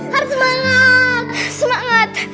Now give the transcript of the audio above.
harus semangat semangat